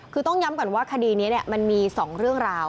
คือต้องย้ำก่อนว่าคดีนี้มันมี๒เรื่องราว